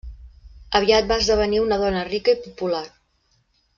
Aviat va esdevenir una dona rica i popular.